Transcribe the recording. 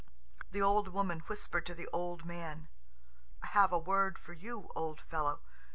The old woman whispered to the old man: "I have a word for you, old fellow.